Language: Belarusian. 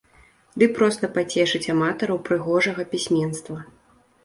Ды проста пацешыць аматараў прыгожага пісьменства.